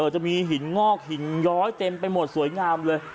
จะมีหินงอกหินย้อยเต็มไปหมดสวยงามเลย